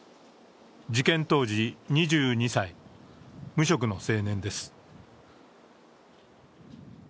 事件当時２２歳無職の青年です。